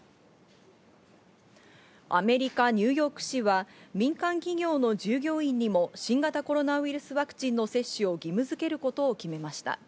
アメリカ・ニューヨーク市は民間企業の従業員にも新型コロナウイルスワクチンの接種を義務づけることを決めました。